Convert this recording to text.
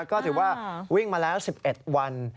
ก็ถือว่าวิ่งมาแล้ว๑๑วัน